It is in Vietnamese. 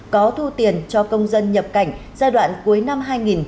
có thu tiền cho công dân nhập cảnh giai đoạn cuối năm hai nghìn hai mươi